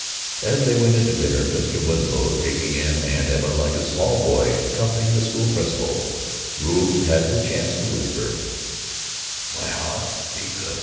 As they went in to dinner, Mr. Winslow taking in Aunt Emma like a small boy accompanying the school principal, Ruth had the chance to whisper: "My Hawk, be good.